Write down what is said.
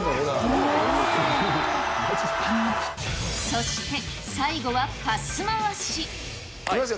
そして最後はパス回し。